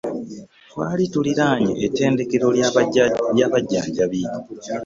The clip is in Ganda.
Twali tuliraanye ettendekero ly'abajjanjabi.